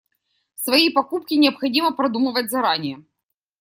Свои покупки необходимо продумывать заранее.